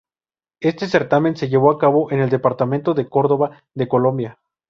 Este certamen se llevó a cabo en el departamento de Córdoba de Colombia.